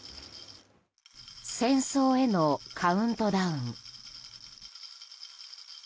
戦争へのカウントダウン。